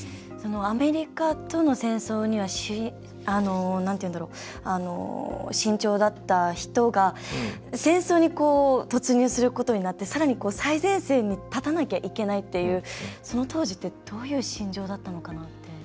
アメリカとの戦争には慎重だった人が戦争に突入することになってさらに最前線に立たなきゃいけないっていうその当時ってどういう心情だったのかなって。